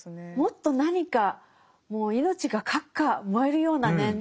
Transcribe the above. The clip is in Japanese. もっと何かもう命がかっか燃えるようなね